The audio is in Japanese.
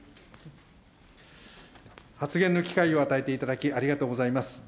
発言の機会を与えていただき、ありがとうございます。